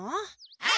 はい！